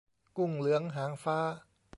กุ้งเหลืองหางฟ้า